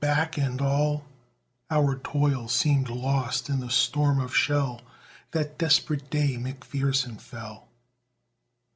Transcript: back! and all Our toil seemed lost in the storm of shell That desperate day McPherson fell!